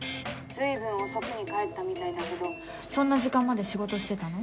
随分遅くに帰ったみたいだけどそんな時間まで仕事してたの？